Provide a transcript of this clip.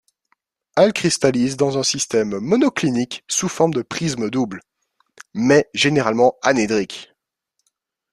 Elle cristallise dans un système monoclinique sous forme de prismes doubles, mais généralement anédriques.